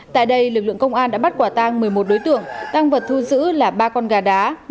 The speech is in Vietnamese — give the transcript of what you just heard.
tại đây lực lượng công an đã bắt quả tang một mươi một đối tượng tăng vật thu giữ là ba con gà đá